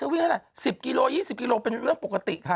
วิ่งเท่าไหร่๑๐กิโล๒๐กิโลเป็นเรื่องปกติค่ะ